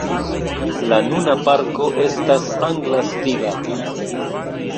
La nuna parko estas angla stila.